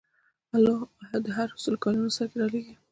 الله د هرو سلو کلونو سر کې رالېږي.